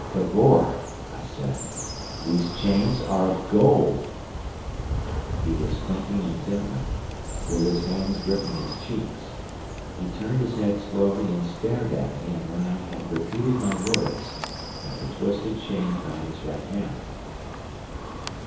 "Cavor," I said, "these chains are of gold!" He was thinking intently, with his hands gripping his cheeks. He turned his head slowly and stared at me, and when I had repeated my words, at the twisted chain about his right hand.